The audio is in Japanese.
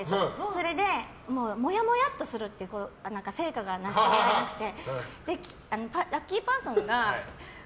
それで、もやもやっとするって成果がなせなくて。